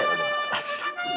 外した。